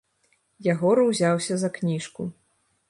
Ягор узяўся за кніжку.